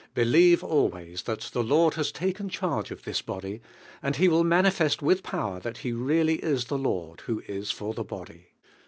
Believe al ways that the Lord has laken charge of this body, and He will manifest with pow er that He really is Die Lord, who is for the body.